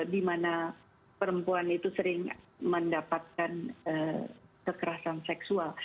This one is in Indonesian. di mana perempuan itu sering mendapatkan kekerasan seksual